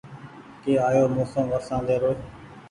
ڪي آيو موسم ورشاندي رو